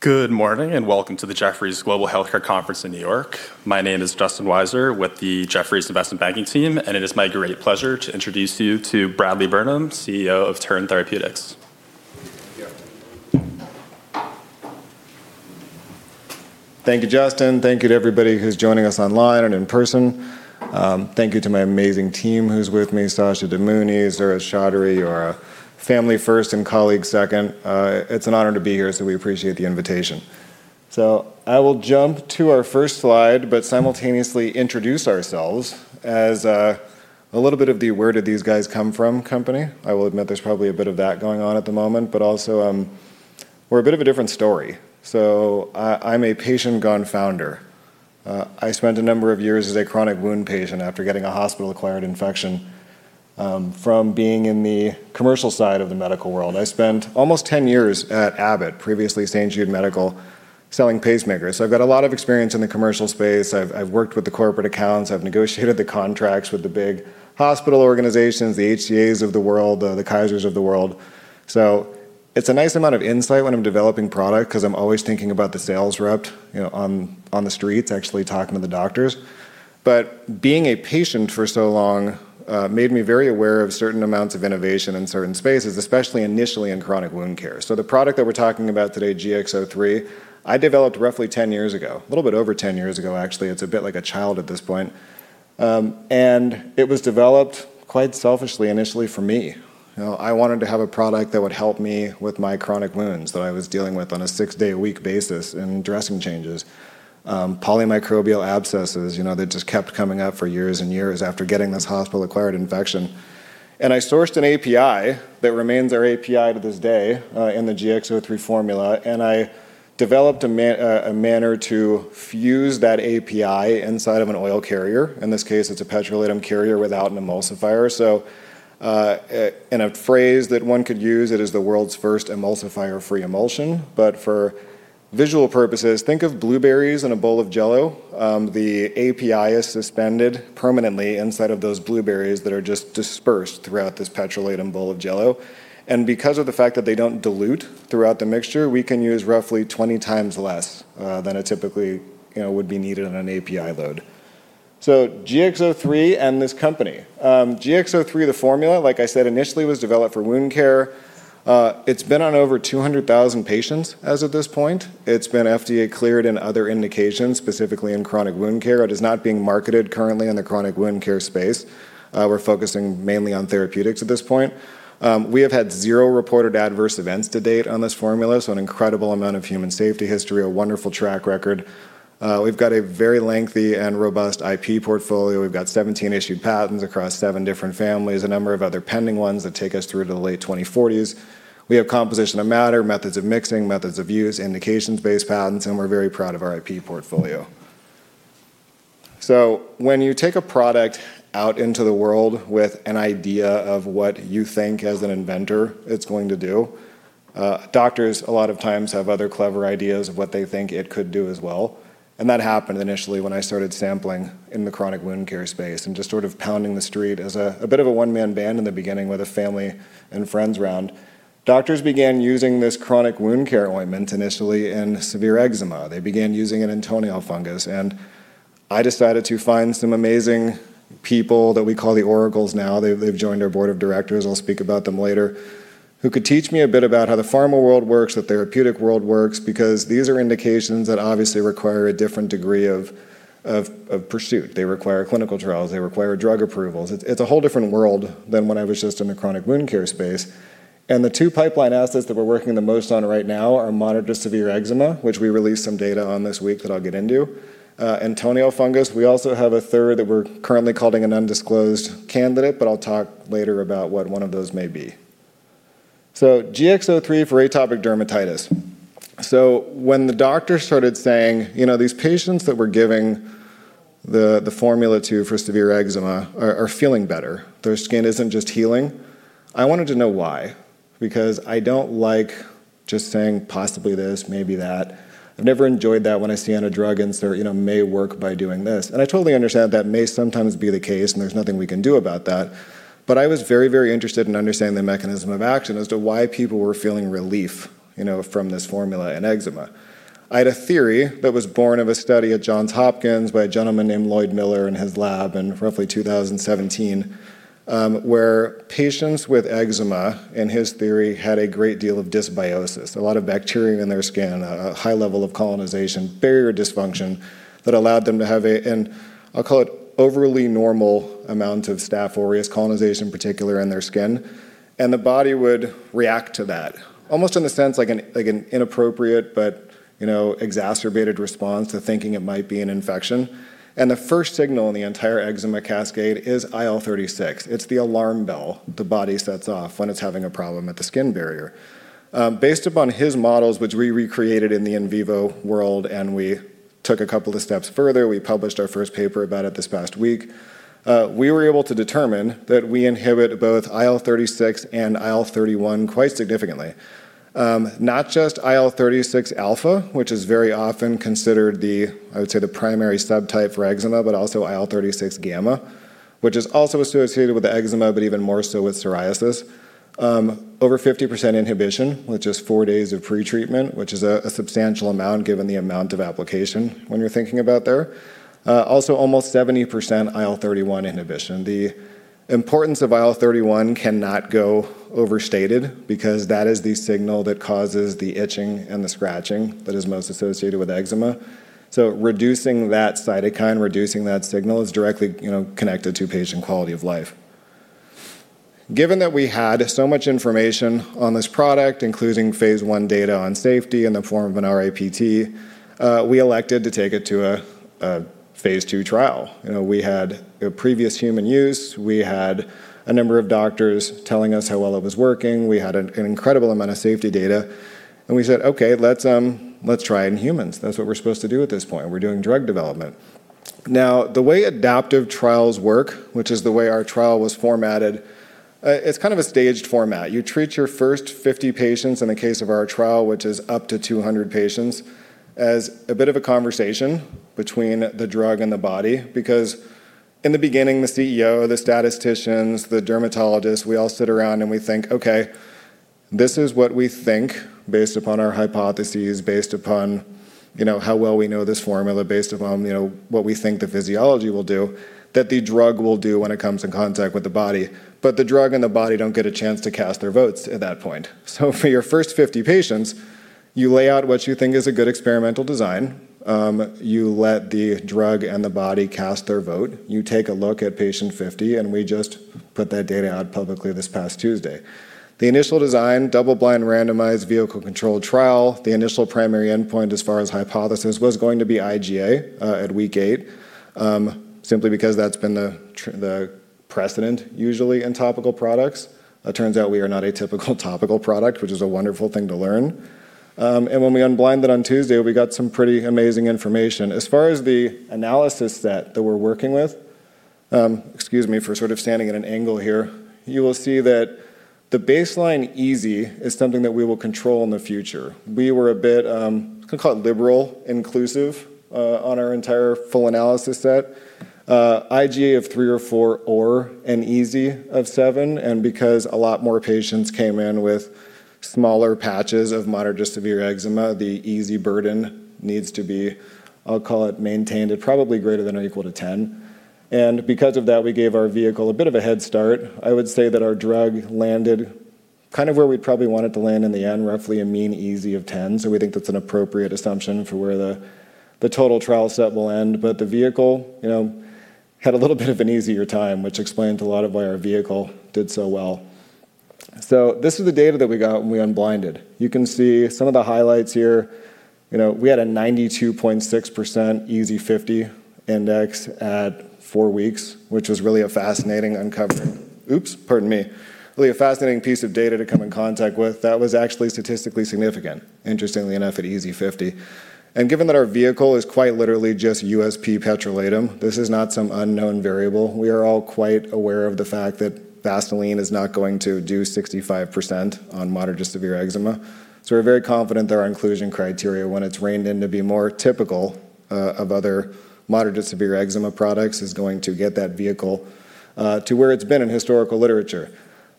Good morning, and welcome to the Jefferies Global Healthcare Conference in New York. My name is Justin Weisser with the Jefferies Investment Banking team, and it is my great pleasure to introduce you to Bradley Burnham, CEO of Turn Therapeutics. Thank you, Justin. Thank you to everybody who's joining us online and in person. Thank you to my amazing team who's with me, Sasha Damouni, Zuraiz Chaudhary, you are family first and colleagues second. It's an honor to be here. We appreciate the invitation. I will jump to our first slide, but simultaneously introduce ourselves as a little bit of the where did these guys come from company. I will admit there's probably a bit of that going on at the moment, but also we're a bit of a different story. I'm a patient gone founder. I spent a number of years as a chronic wound patient after getting a hospital-acquired infection from being in the commercial side of the medical world. I spent almost 10 years at Abbott, previously St. Jude Medical, selling pacemakers. I've got a lot of experience in the commercial space. I've worked with the corporate accounts. I've negotiated the contracts with the big hospital organizations, the HCAs of the world, the Kaisers of the world. It's a nice amount of insight when I'm developing product because I'm always thinking about the sales rep on the streets actually talking to the doctors. Being a patient for so long made me very aware of certain amounts of innovation in certain spaces, especially initially in chronic wound care. The product that we're talking about today, GX-03, I developed roughly 10 years ago. A little bit over 10 years ago, actually. It's a bit like a child at this point. It was developed quite selfishly initially for me. I wanted to have a product that would help me with my chronic wounds that I was dealing with on a six-day-a-week basis in dressing changes. Polymicrobial abscesses that just kept coming up for years and years after getting this hospital-acquired infection. I sourced an API that remains our API to this day in the GX-03 formula, and I developed a manner to fuse that API inside of an oil carrier. In this case, it's a petrolatum carrier without an emulsifier. In a phrase that one could use, it is the world's first emulsifier-free emulsion. For visual purposes, think of blueberries in a bowl of Jell-O. The API is suspended permanently inside of those blueberries that are just dispersed throughout this petrolatum bowl of Jell-O. Because of the fact that they don't dilute throughout the mixture, we can use roughly 20x less than it typically would be needed in an API load. GX-03 and this company. GX-03, the formula, like I said, initially was developed for wound care. It's been on over 200,000 patients as of this point. It's been FDA cleared in other indications, specifically in chronic wound care. It is not being marketed currently in the chronic wound care space. We're focusing mainly on therapeutics at this point. We have had zero reported adverse events to date on this formula, so an incredible amount of human safety history, a wonderful track record. We've got a very lengthy and robust IP portfolio. We've got 17 issued patents across seven different families, a number of other pending ones that take us through to the late 2040s. We have composition of matter, methods of mixing, methods of use, indications-based patents, and we're very proud of our IP portfolio. When you take a product out into the world with an idea of what you think as an inventor it's going to do, doctors a lot of times have other clever ideas of what they think it could do as well. That happened initially when I started sampling in the chronic wound care space and just sort of pounding the street as a bit of a one-man band in the beginning with a family and friends round. Doctors began using this chronic wound care ointment initially in severe eczema. They began using it in toenail fungus. I decided to find some amazing people that we call the Oracles now, they've joined our board of directors, I'll speak about them later, who could teach me a bit about how the pharma world works, the therapeutic world works, because these are indications that obviously require a different degree of pursuit. They require clinical trials. They require drug approvals. It's a whole different world than when I was just in the chronic wound care space. The two pipeline assets that we're working the most on right now are moderate to severe eczema, which we released some data on this week that I'll get into. Toenail fungus. We also have a third that we're currently calling an undisclosed candidate, but I'll talk later about what one of those may be. GX-03 for atopic dermatitis. When the doctor started saying these patients that we're giving the formula to for severe eczema are feeling better, their skin isn't just healing, I wanted to know why, because I don't like just saying possibly this, maybe that. I've never enjoyed that when I see on a drug and it's there may work by doing this. I totally understand that may sometimes be the case, and there's nothing we can do about that. I was very interested in understanding the mechanism of action as to why people were feeling relief from this formula in eczema. I had a theory that was born of a study at Johns Hopkins by a gentleman named Lloyd Miller in his lab in roughly 2017, where patients with eczema in his theory had a great deal of dysbiosis, a lot of bacteria in their skin, a high level of colonization, barrier dysfunction that allowed them to have an, I'll call it overly normal amount of Staph aureus colonization, particularly in their skin. The body would react to that, almost in a sense like an inappropriate but exacerbated response to thinking it might be an infection. The first signal in the entire eczema cascade is IL-36. It's the alarm bell the body sets off when it's having a problem at the skin barrier. Based upon his models, which we recreated in the in vivo world, and we took a couple of steps further, we published our first paper about it this past week. We were able to determine that we inhibit both IL-36 and IL-31 quite significantly. Not just IL-36 alpha, which is very often considered the, I would say, the primary subtype for atopic dermatitis, but also IL-36 gamma, which is also associated with atopic dermatitis, but even more so with psoriasis. Over 50% inhibition with just four days of pretreatment, which is a substantial amount given the amount of application when you're thinking about there. Almost 70% IL-31 inhibition. The importance of IL-31 cannot go overstated because that is the signal that causes the itching and the scratching that is most associated with atopic dermatitis. Reducing that cytokine, reducing that signal is directly connected to patient quality of life. Given that we had so much information on this product, including phase I data on safety in the form of an RIPT, we elected to take it to a phase II trial. We had previous human use. We had a number of doctors telling us how well it was working. We had an incredible amount of safety data. We said, "Okay, let's try it in humans." That's what we're supposed to do at this point. We're doing drug development. The way adaptive trials work, which is the way our trial was formatted, it's kind of a staged format. You treat your first 50 patients, in the case of our trial, which is up to 200 patients, as a bit of a conversation between the drug and the body. In the beginning, the CEO, the statisticians, the dermatologists, we all sit around and we think, "Okay, this is what we think, based upon our hypotheses, based upon how well we know this formula, based upon what we think the physiology will do, that the drug will do when it comes in contact with the body." The drug and the body don't get a chance to cast their votes at that point. For your first 50 patients, you lay out what you think is a good experimental design. You let the drug and the body cast their vote. You take a look at patient 50, and we just put that data out publicly this past Tuesday. The initial design, double-blind randomized vehicle-controlled trial. The initial primary endpoint as far as hypothesis was going to be IGA at week eight, simply because that's been the precedent usually in topical products. It turns out we are not a typical topical product, which is a wonderful thing to learn. When we unblinded on Tuesday, we got some pretty amazing information. As far as the analysis set that we're working with. Excuse me for sort of standing at an angle here. You will see that the baseline EASI is something that we will control in the future. We were a bit, call it liberal inclusive on our entire full analysis set. IGA of three or four or an EASI of seven. Because a lot more patients came in with smaller patches of moderate to severe eczema, the EASI burden needs to be, I'll call it maintained at probably greater than or equal to 10. Because of that, we gave our vehicle a bit of a head start. I would say that our drug landed kind of where we probably want it to land in the end, roughly a mean EASI of 10. We think that's an appropriate assumption for where the total trial set will end. The vehicle had a little bit of an easier time, which explains a lot of why our vehicle did so well. This is the data that we got when we unblinded. You can see some of the highlights here. We had a 92.6% EASI-50 index at four weeks, which was really a fascinating uncovering. Oops, pardon me. Really a fascinating piece of data to come in contact with that was actually statistically significant, interestingly enough at EASI-50. Given that our vehicle is quite literally just USP petrolatum, this is not some unknown variable. We are all quite aware of the fact that Vaseline is not going to do 65% on moderate to severe eczema. We're very confident that our inclusion criteria, when it's reined in to be more typical of other moderate to severe eczema products, is going to get that vehicle to where it's been in historical literature.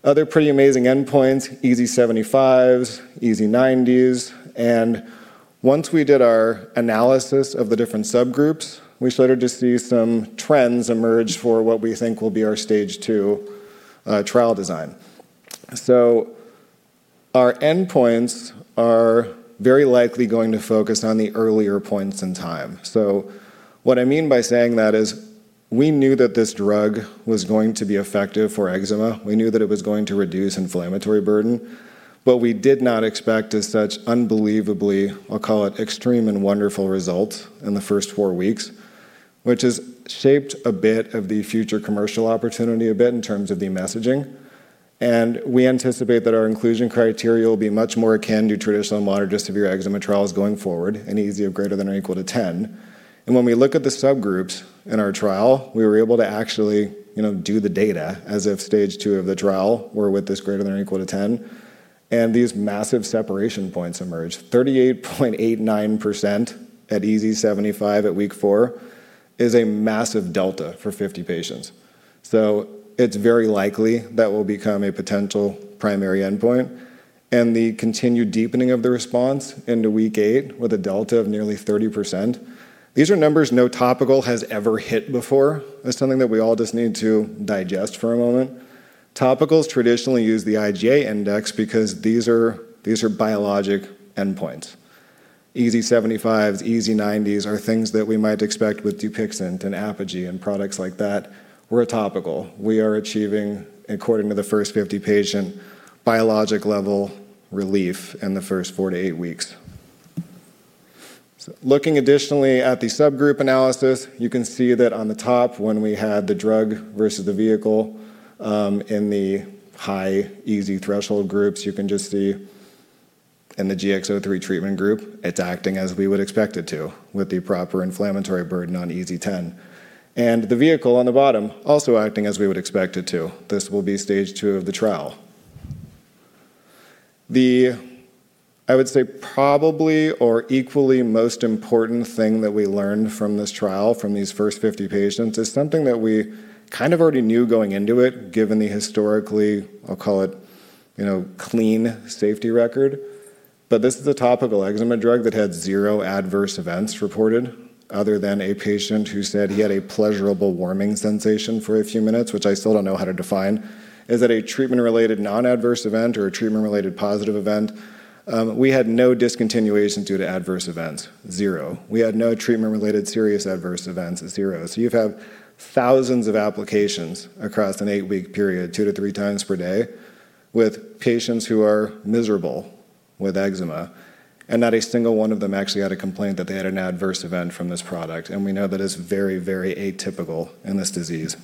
Other pretty amazing endpoints, EASI-75s, EASI-90s. Once we did our analysis of the different subgroups, we started to see some trends emerge for what we think will be our stage II trial design. Our endpoints are very likely going to focus on the earlier points in time. What I mean by saying that is we knew that this drug was going to be effective for eczema. We knew that it was going to reduce inflammatory burden. We did not expect such unbelievably, I'll call it extreme and wonderful results in the first four weeks, which has shaped a bit of the future commercial opportunity a bit in terms of the messaging. We anticipate that our inclusion criteria will be much more akin to traditional moderate-to-severe eczema trials going forward, an EASI of greater than or equal to 10. When we look at the subgroups in our trial, we were able to actually do the data as if stage two of the trial were with this greater than or equal to 10. These massive separation points emerge. 38.89% at EASI-75 at week four is a massive delta for 50 patients. It's very likely that will become a potential primary endpoint. The continued deepening of the response into week eight with a delta of nearly 30%. These are numbers no topical has ever hit before. That's something that we all just need to digest for a moment. Topicals traditionally use the IGA index because these are biologic endpoints. EASI-75s, EASI-90s are things that we might expect with DUPIXENT and Adbry and products like that. We're a topical. We are achieving, according to the first 50 patient, biologic level relief in the first four to eight weeks. Looking additionally at the subgroup analysis, you can see that on the top when we had the drug versus the vehicle in the high EASI threshold groups, you can just see in the GX-03 treatment group, it's acting as we would expect it to with the proper inflammatory burden on EASI-10. The vehicle on the bottom also acting as we would expect it to. This will be stage II of the trial. I would say probably or equally most important thing that we learned from this trial, from these first 50 patients, is something that we kind of already knew going into it, given the historically, I'll call it clean safety record. This is a topical eczema drug that had zero adverse events reported, other than a patient who said he had a pleasurable warming sensation for a few minutes, which I still don't know how to define. Is it a treatment-related non-adverse event or a treatment-related positive event? We had no discontinuation due to adverse events. Zero. We had no treatment-related serious adverse events. Zero. You've had thousands of applications across an eight-week period, two to three times per day, with patients who are miserable with eczema, and not a single one of them actually had a complaint that they had an adverse event from this product, and we know that is very, very atypical in this disease.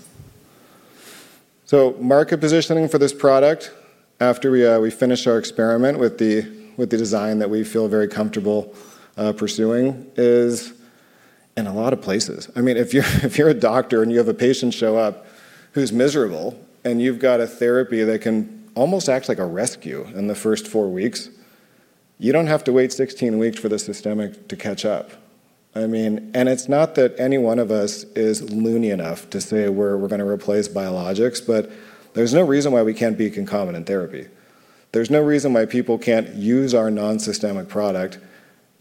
Market positioning for this product after we finish our experiment with the design that we feel very comfortable pursuing is in a lot of places. If you're a doctor and you have a patient show up who's miserable, and you've got a therapy that can almost act like a rescue in the first four weeks, you don't have to wait 16 weeks for the systemic to catch up. It's not that any one of us is loony enough to say we're going to replace biologics, but there's no reason why we can't be concomitant therapy. There's no reason why people can't use our non-systemic product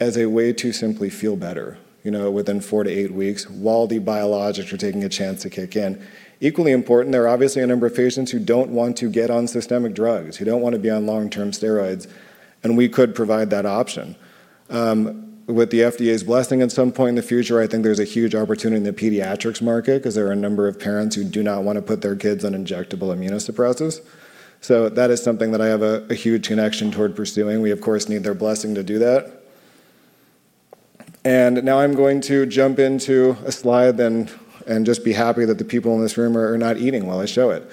as a way to simply feel better within four to eight weeks while the biologics are taking a chance to kick in. Equally important, there are obviously a number of patients who don't want to get on systemic drugs, who don't want to be on long-term steroids, and we could provide that option. With the FDA's blessing at some point in the future, I think there's a huge opportunity in the pediatrics market because there are a number of parents who do not want to put their kids on injectable immunosuppressants. That is something that I have a huge connection toward pursuing. We, of course, need their blessing to do that. Now I'm going to jump into a slide and just be happy that the people in this room are not eating while I show it.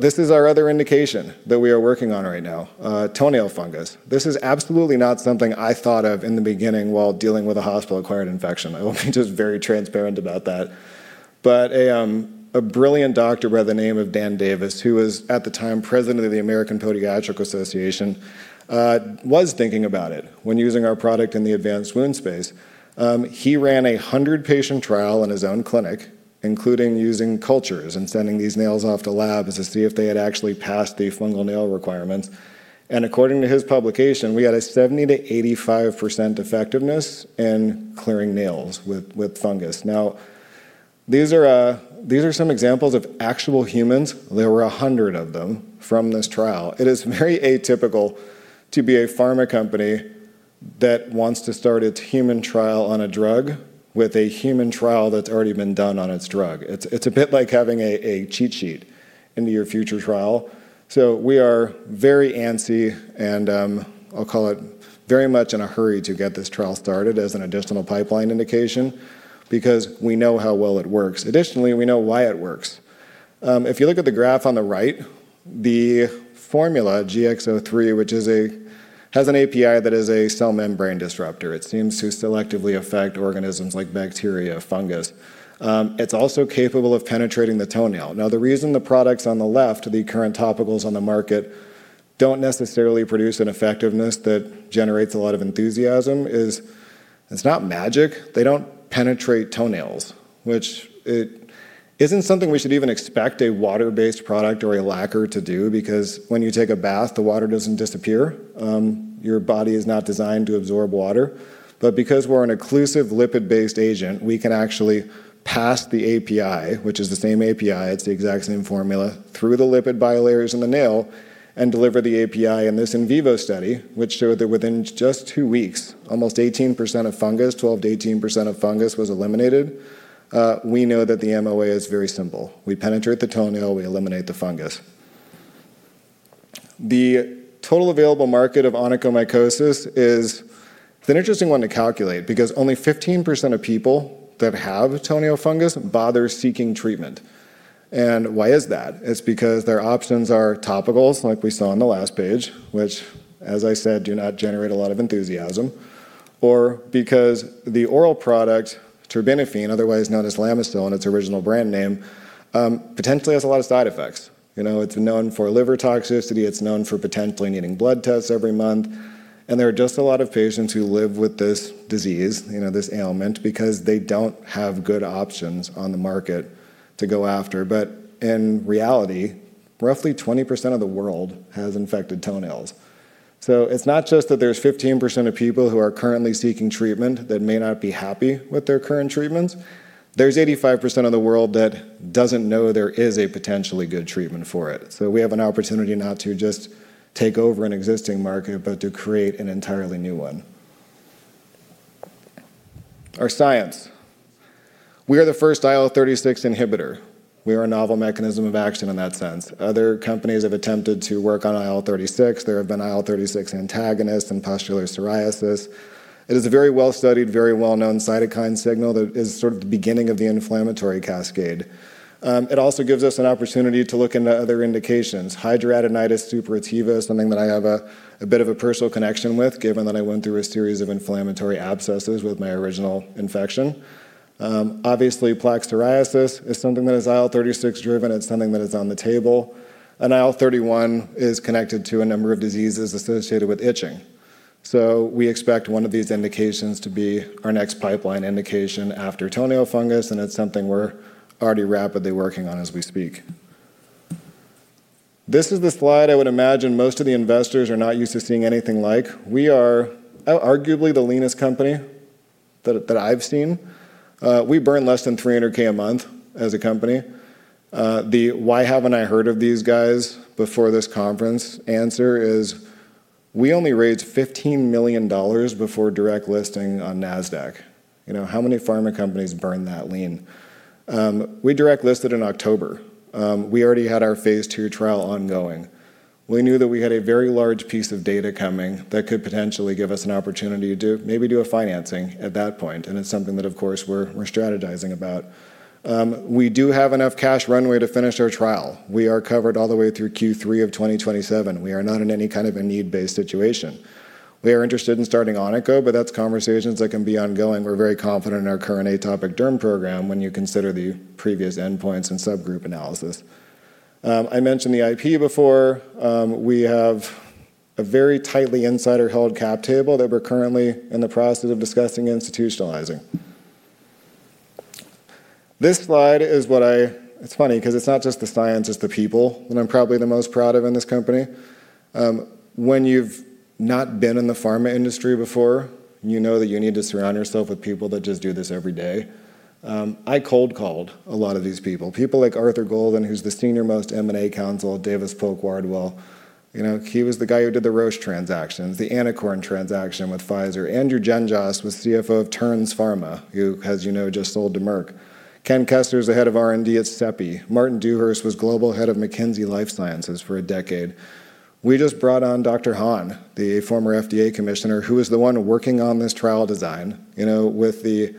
This is our other indication that we are working on right now, toenail fungus. This is absolutely not something I thought of in the beginning while dealing with a hospital-acquired infection. I will be just very transparent about that. A brilliant doctor by the name of Dan Davis, who was at the time president of the American Podiatric Medical Association, was thinking about it when using our product in the advanced wound space. He ran a 100-patient trial in his own clinic, including using cultures and sending these nails off to labs to see if they had actually passed the fungal nail requirements. According to his publication, we had a 70%-85% effectiveness in clearing nails with fungus. These are some examples of actual humans. There were 100 of them from this trial. It is very atypical to be a pharma company that wants to start its human trial on a drug with a human trial that's already been done on its drug. It's a bit like having a cheat sheet into your future trial. We are very antsy and, I'll call it, very much in a hurry to get this trial started as an additional pipeline indication because we know how well it works. We know why it works. If you look at the graph on the right, the formula GX-03, which has an API that is a cell membrane disruptor. It seems to selectively affect organisms like bacteria, fungus. It's also capable of penetrating the toenail. The reason the products on the left, the current topicals on the market, don't necessarily produce an effectiveness that generates a lot of enthusiasm is it's not magic. They don't penetrate toenails, which it's not something we should even expect a water-based product or a lacquer to do, because when you take a bath, the water doesn't disappear. Your body is not designed to absorb water. Because we're an occlusive lipid-based agent, we can actually pass the API, which is the same API, it's the exact same formula, through the lipid bilayers in the nail and deliver the API in this in vivo study, which showed that within just two weeks, almost 18% of fungus, 12%-18% of fungus was eliminated. We know that the MOA is very simple. We penetrate the toenail, we eliminate the fungus. The total available market of onychomycosis is an interesting one to calculate because only 15% of people that have toenail fungus bother seeking treatment. Why is that? It's because their options are topicals, like we saw on the last page, which, as I said, do not generate a lot of enthusiasm, or because the oral product, terbinafine, otherwise known as Lamisil in its original brand name, potentially has a lot of side effects. It's known for liver toxicity. It's known for potentially needing blood tests every month. There are just a lot of patients who live with this disease, this ailment because they don't have good options on the market to go after. In reality, roughly 20% of the world has infected toenails. It's not just that there's 15% of people who are currently seeking treatment that may not be happy with their current treatments. There's 85% of the world that doesn't know there is a potentially good treatment for it. We have an opportunity not to just take over an existing market, but to create an entirely new one. Our science. We are the first IL-36 inhibitor. We are a novel mechanism of action in that sense. Other companies have attempted to work on IL-36. There have been IL-36 antagonists in pustular psoriasis. It is a very well-studied, very well-known cytokine signal that is sort of the beginning of the inflammatory cascade. It also gives us an opportunity to look into other indications. Hidradenitis suppurativa is something that I have a bit of a personal connection with, given that I went through a series of inflammatory abscesses with my original infection. Obviously, plaque psoriasis is something that is IL-36 driven. It's something that is on the table. IL-31 is connected to a number of diseases associated with itching. We expect one of these indications to be our next pipeline indication after toenail fungus, and it's something we're already rapidly working on as we speak. This is the slide I would imagine most of the investors are not used to seeing anything like. We are arguably the leanest company that I've seen. We burn less than $300,000 a month as a company. The why haven't I heard of these guys before this conference answer is we only raised $15 million before direct listing on NASDAQ. How many pharma companies burn that lean? We direct listed in October. We already had our phase II trial ongoing. We knew that we had a very large piece of data coming that could potentially give us an opportunity to maybe do a financing at that point. It's something that, of course, we're strategizing about. We do have enough cash runway to finish our trial. We are covered all the way through Q3 of 2027. We are not in any kind of a need-based situation. We are interested in starting onycho. That's conversations that can be ongoing. We're very confident in our current atopic derm program when you consider the previous endpoints and subgroup analysis. I mentioned the IP before. We have a very tightly insider-held cap table that we're currently in the process of discussing institutionalizing. It's funny because it's not just the science, it's the people that I'm probably the most proud of in this company. When you've not been in the pharma industry before, you know that you need to surround yourself with people that just do this every day. I cold called a lot of these people. People like Arthur Golden, who's the senior-most M&A counsel at Davis Polk & Wardwell. He was the guy who did the Roche transactions, the Anacor transaction with Pfizer. Andrew Gengos was CFO of Terns Pharma, who, as you know, just sold to Merck. Kent Kester is the head of R&D at CEPI. Martin Dewhurst was global head of McKinsey Life Sciences for a decade. We just brought on Dr. Hahn, the former FDA Commissioner, who is the one working on this trial design, with the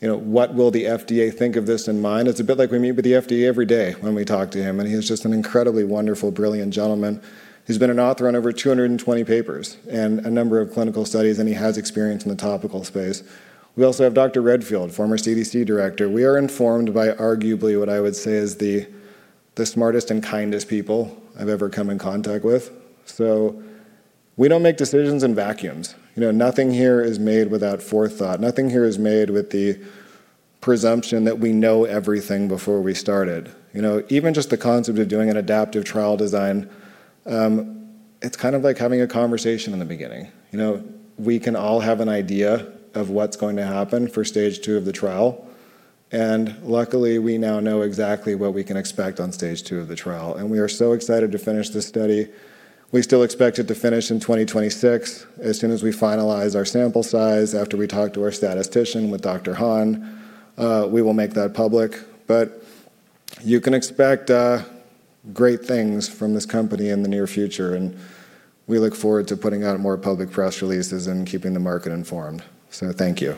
what will the FDA think of this in mind. It's a bit like we meet with the FDA every day when we talk to him, and he is just an incredibly wonderful, brilliant gentleman. He's been an author on over 220 papers and a number of clinical studies, and he has experience in the topical space. We also have Dr. Redfield, former CDC director. We are informed by arguably what I would say is the smartest and kindest people I've ever come in contact with. We don't make decisions in vacuums. Nothing here is made without forethought. Nothing here is made with the presumption that we know everything before we started. Even just the concept of doing an adaptive trial design, it's like having a conversation in the beginning. We can all have an idea of what's going to happen for stage two of the trial, and luckily, we now know exactly what we can expect on stage two of the trial, and we are so excited to finish this study. We still expect it to finish in 2026. As soon as we finalize our sample size, after we talk to our statistician, with Dr. Hahn, we will make that public. You can expect great things from this company in the near future, and we look forward to putting out more public press releases and keeping the market informed. Thank you